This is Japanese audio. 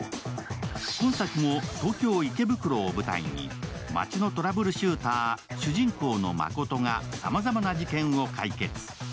今作も東京・池袋を舞台に街のトラブルシューター、主人公のマコトがさまざまな事件を解決。